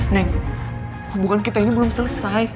neng hubungan kita ini belum selesai